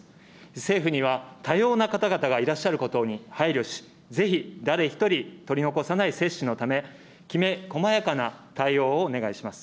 政府には、多様な方々がいらっしゃることに配慮し、ぜひ誰一人取り残さない接種のため、きめ細やかな対応をお願いします。